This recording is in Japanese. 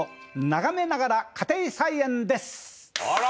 あら！